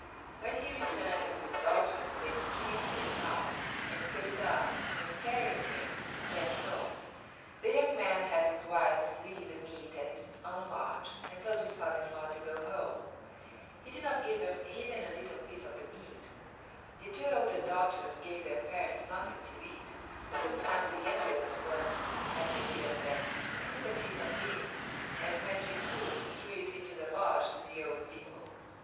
When he returned with his daughters they skinned the cow and cut it up and, carrying it, went home. The young man had his wives leave the meat at his own lodge and told his father in law to go home. He did not give him even a little piece of the meat. The two older daughters gave their parents nothing to eat, but sometimes the youngest one had pity on them and took a piece of meat and, when she could, threw it into the lodge to the old people.